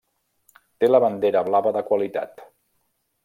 Té la bandera blava de qualitat.